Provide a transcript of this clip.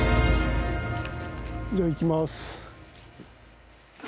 じゃあいきます。